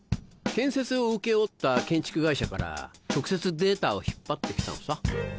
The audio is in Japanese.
建設を請け負った建築会社から直接データを引っ張って来たのさ。